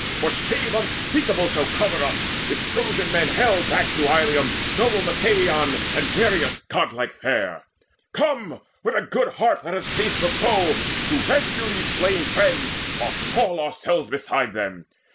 For shame unspeakable shall cover us If Trojan men hale back to Ilium Noble Machaon and Nireus godlike fair. Come, with a good heart let us face the foe To rescue these slain friends, or fall ourselves Beside them.